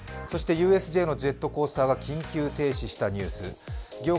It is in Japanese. そしてＵＳＪのジェットコースターが緊急停止したニュース。